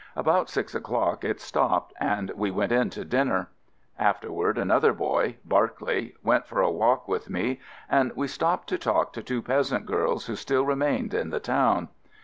About six o'clock it stopped and we went in to dinner. After ward another boy — Barclay — went for a walk with me, and we stopped to talk to two peasant girls who still remained in the town.